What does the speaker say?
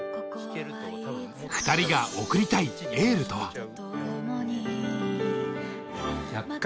２人が送りたいエールとは。